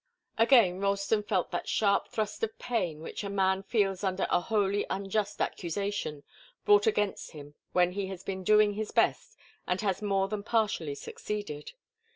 Again Ralston felt that sharp thrust of pain which a man feels under a wholly unjust accusation brought against him when he has been doing his best and has more than partially succeeded.